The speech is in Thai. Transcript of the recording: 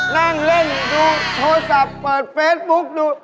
นั่งเล่นดูโทรศัพท์เปิดเฟซบุ๊กดู